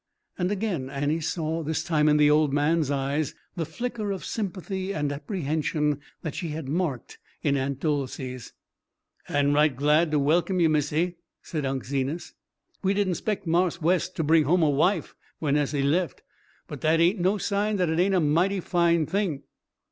And again Annie saw, this time in the old man's eyes, the flicker of sympathy and apprehension that she had marked in Aunt Dolcey's. "And right glad to welcome y', Missy," said Unc' Zenas. "We didn' 'spect Marse Wes to bring home a wife whenas he lef', but that ain' no sign that it ain' a mighty fine thing."